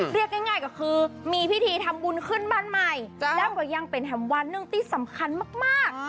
เรียกง่ายก็คือมีพิธีทำบุญขึ้นบ้านใหม่แล้วก็ยังเป็นแฮมวันหนึ่งที่สำคัญมาก